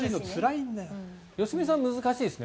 良純さん、難しいですね。